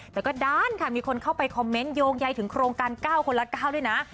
แต่ก็ด้านค่ะมีคนเข้าไปคอมเมนต์โยงใยถึงโครงการ๙คนละ๙ด้วยนะ